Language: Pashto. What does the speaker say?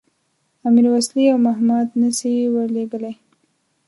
امیر وسلې او مهمات نه سي ورلېږلای.